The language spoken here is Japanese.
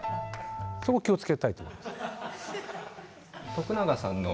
そこ気をつけたいと思います。